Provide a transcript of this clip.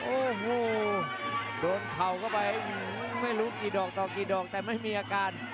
โอ้โหโดนเข่าเข้าไปไม่รู้กี่ดอกต่อกี่ดอกแต่ไม่มีอาการ